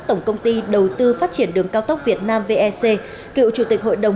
tổng công ty đầu tư phát triển đường cao tốc việt nam vec cựu chủ tịch hội đồng